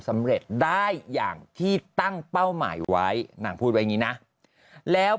สำเร็จได้อย่างที่ตั้งเป้าหมายไว้นางพูดไว้อย่างนี้นะแล้ว